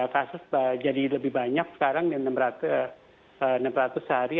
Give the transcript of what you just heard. kasus jadi lebih banyak sekarang enam ratus sehari